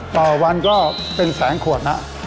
ต่อวันก็เป็นแสนขวดนะ